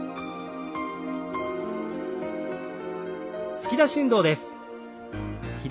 突き出し運動です。